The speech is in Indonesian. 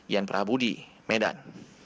ian prabudi medan